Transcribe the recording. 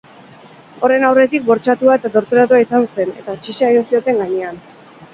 Horren aurretik bortxatua eta torturatua izan zen, eta txisa egin zioten gainean.